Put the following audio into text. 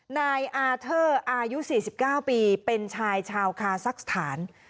นายอาเทอร์อายุ๔๙ปีเป็นชายชาวคาซักสถาน